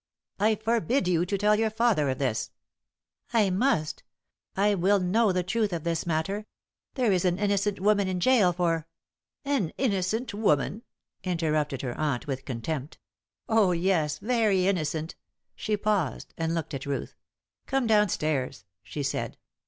"I forbid you to tell your father of this." "I must! I will know the truth of this matter. There is an innocent woman in gaol for " "An innocent woman!" interrupted her aunt, with contempt. "Oh, yes, very innocent!" She paused and looked at Ruth. "Come downstairs," she said.